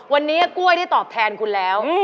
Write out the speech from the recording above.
วันนี้กล้วยได้ตอบแทนคุณแล้ว